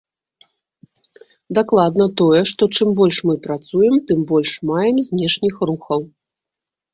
Дакладна тое, што чым больш мы працуем, тым больш маем знешніх рухаў.